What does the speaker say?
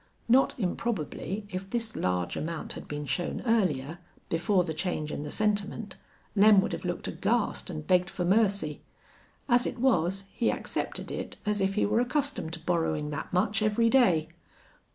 Not improbably, if this large amount had been shown earlier, before the change in the sentiment, Lem would have looked aghast and begged for mercy. As it was, he accepted it as if he were accustomed to borrowing that much every day.